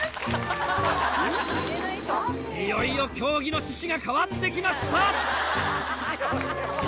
いよいよ競技の趣旨が変わってきました。